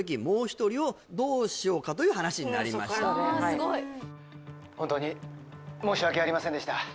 すごい本当に申し訳ありませんでした